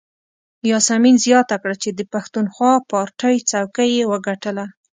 یاسمین زیاته کړه چې د پښتونخوا پارټۍ څوکۍ یې وګټله.